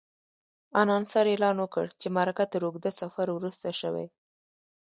انانسر اعلان وکړ چې مرکه تر اوږده سفر وروسته شوې.